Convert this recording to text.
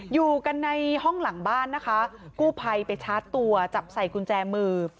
อยู่กันในห้องหลังบ้านนะคะกู้ภัยไปชาร์จตัวจับใส่กุญแจมือ